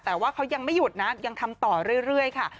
แต่ว่าเขายังไม่หยุดนะยังทำต่อเรื่อยค่ะ